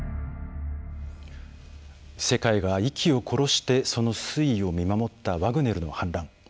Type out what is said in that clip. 世界が息を殺してその推移を見守ったワグネルの反乱。